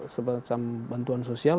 sebagai bantuan sosial